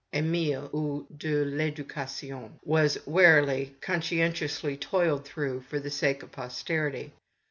" ISmile ; ou, de TEducation" was wearily, conscientiously toiled through for the sake of posterity.